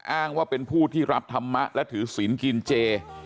อ้างว่าเป็นผู้ที่รับธรรมะและถือศิลป์กินเจ